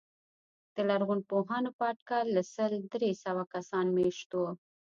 د لرغونپوهانو په اټکل له سل تر درې سوه کسان مېشت وو.